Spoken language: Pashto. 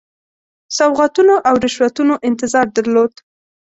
سوغاتونو او رشوتونو انتظار درلود.